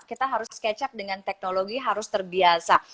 kita harus catch up dengan teknologi harus terbiasa